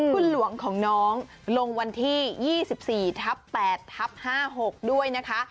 คุณหลวงของน้องลงวันที่๒๔ทับ๘ทับ๕๖ด้วยนะคะ